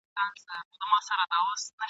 نه غزل سته په کتاب کي نه نغمه سته په رباب کي ..